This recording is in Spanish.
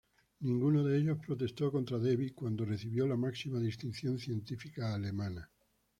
Ninguno de ellos protestó contra Debye cuando recibió la máxima distinción científica alemana.